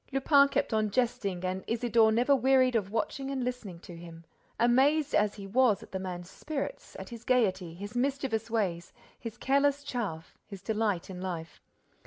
Lupin kept on jesting and Isidore never wearied of watching and listening to him, amazed as he was at the man's spirits, at his gaiety, his mischievous ways, his careless chaff, his delight in life.